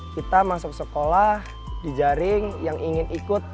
kita masuk sekolah di jaring yang ingin ikut